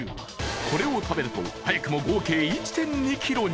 これを食べると早くも合計１．２ｋｇに